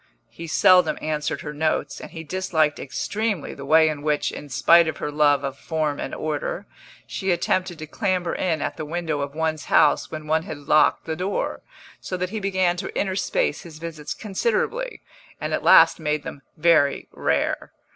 He seldom answered her notes, and he disliked extremely the way in which, in spite of her love of form and order, she attempted to clamber in at the window of one's house when one had locked the door; so that he began to interspace his visits considerably, and at last made them very rare.